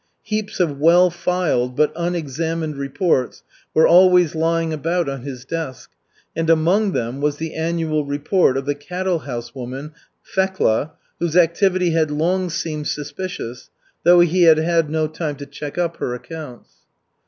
Heaps of well filed but unexamined reports were always lying about on his desk, and among them was the annual report of the cattle house woman, Fekla, whose activity had long seemed suspicious, though he had had no time to check up her accounts.